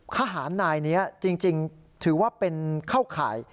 ทหารนายนี้จริงถือว่าเป็นเข้าข่าย